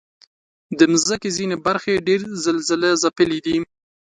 د مځکې ځینې برخې ډېر زلزلهځپلي دي.